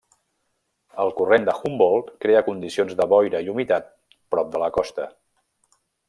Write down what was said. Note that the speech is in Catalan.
El corrent de Humboldt crea condicions de boira i humitat prop de la costa.